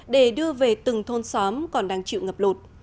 để đưa về từng thôn xóm còn đang chịu ngập lụt